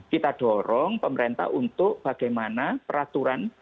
kita dorong pemerintah untuk bagaimana peraturan